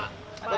apa aja pak